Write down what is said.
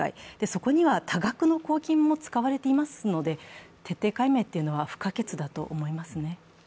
そこには多額の公金も使われていますので、徹底解明というのは不可欠だと思いますね。